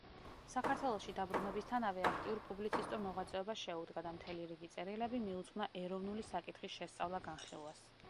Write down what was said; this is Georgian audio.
საქართველოში დაბრუნებისთანავე აქტიურ პუბლიცისტურ მოღვაწეობას შეუდგა და მთელი რიგი წერილები მიუძღვნა ეროვნული საკითხის შესწავლა–განხილვას.